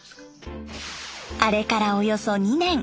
あれからおよそ２年。